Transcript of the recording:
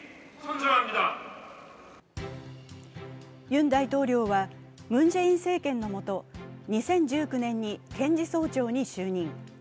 ユン大統領はムン・ジェイン政権の下、２０１９年に検事総長に就任。